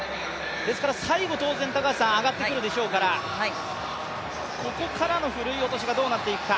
最後当然、上がってくるでしょうから、ここからのふるい落としがどうなっていくか。